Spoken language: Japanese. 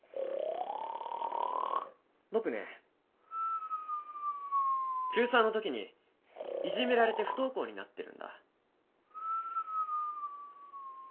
僕ね中３の時にいじめられて不登校になってるんだ。